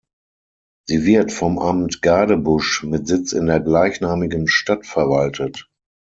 Sie wird vom Amt Gadebusch mit Sitz in der gleichnamigen Stadt verwaltet.